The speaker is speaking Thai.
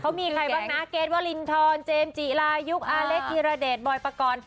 เขามีใครบ้างนะเกรทวรินทรเจมส์จิรายุกอาเล็กธิรเดชบอยปกรณ์